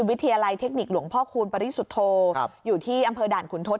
วิทยาลัยเทคนิคหลวงพ่อคูณปริสุทธโธอยู่ที่อำเภอด่านขุนทศ